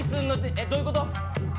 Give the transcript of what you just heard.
えっどういうこと？